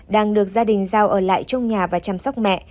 đang được gia đình giao ở lại trong nhà và chăm sóc mẹ